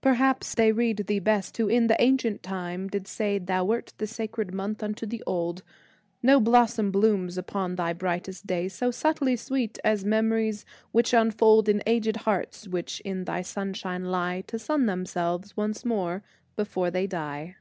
Perhaps they read Thee best who in the ancient time did say Thou wert the sacred month unto the old: No blossom blooms upon thy brightest day So subtly sweet as memories which unfold In aged hearts which in thy sunshine lie, To sun themselves once more before they die.